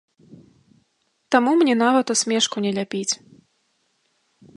Таму мне нават усмешку не ляпіць.